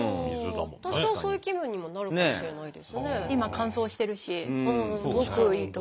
多少そういう気分にもなるかもしれないですね。